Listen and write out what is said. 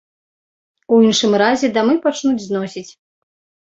У іншым разе дамы пачнуць зносіць.